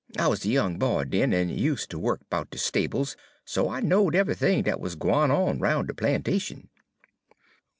I wuz a young boy den, en use' ter wuk 'bout de stables, so I knowed eve'ythin' dat wuz gwine on 'roun' de plantation.